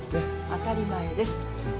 当たり前です。